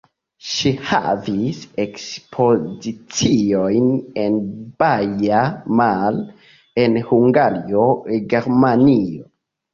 Ŝi havis ekspoziciojn en Baia Mare; en Hungario, Germanio.